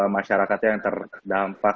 masyarakat yang terdampak